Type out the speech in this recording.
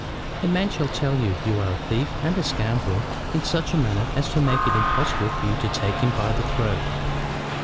A man shall tell you you are a thief and a scoundrel in such a manner as to make it impossible for you to take him by the throat.